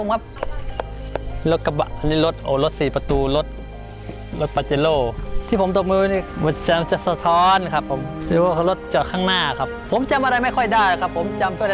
รักมากนะครับผม